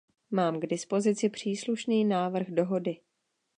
Mám k dispozici příslušný návrh dohody.